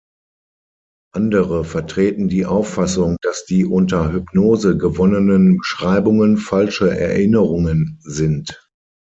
Andere vertreten die Auffassung, dass die unter Hypnose gewonnenen Beschreibungen falsche Erinnerungen sind.